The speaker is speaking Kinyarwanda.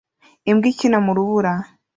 imbwa ikina mu rubura